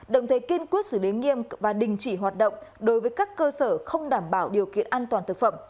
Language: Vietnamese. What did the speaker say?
đồng thời kiên quyết xử lý nghiêm và đình chỉ hoạt động đối với các cơ sở không đảm bảo điều kiện an toàn thực phẩm